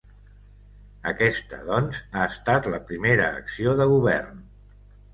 Aquesta, doncs, ha estat la primera acció de govern.